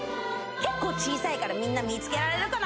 結構小さいからみんな見つけられるかな？